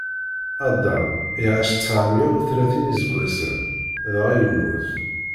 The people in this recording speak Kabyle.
Adam iɛac tteɛmeyya u tlatin n iseggasen, dɣa yemmut.